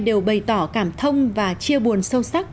đều bày tỏ cảm thông và chia buồn sâu sắc